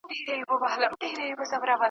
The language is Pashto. چي له سر څخه د چا عقل پردی سي .